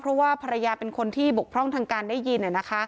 เพราะว่าภรรยาเป็นคนที่บกพร่องทางการได้ยิน